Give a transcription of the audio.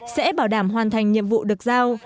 sẽ bảo đảm hoàn thành nhiệm vụ được giao